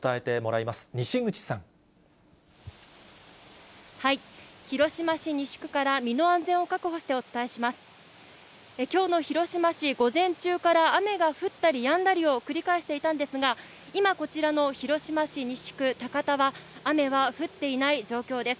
きょうの広島市、午前中から雨が降ったりやんだりを繰り返していたんですが、今、こちらの広島市西区田方は、雨は降っていない状況です。